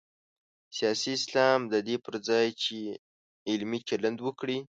سیاسي اسلام د دې پر ځای چې علمي چلند وکړي.